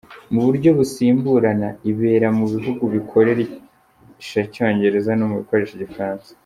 Mu buryo busimburana ibera mu bihugu bikoresha Icyongereza no mu bikoresha Igifaransa.